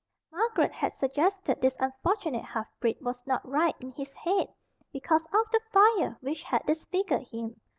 Margaret had suggested this unfortunate half breed was "not right in his head" because of the fire which had disfigured him.